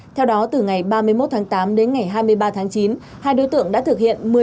theo đó từ ngày ba mươi một tháng tám đến ngày hai mươi ba tháng chín hai đối tượng đã thực hiện